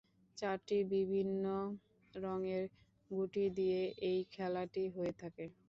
চারটি বিভিন্ন রঙের গুটি দিয়ে এই খেলাটি হয়ে থাকে।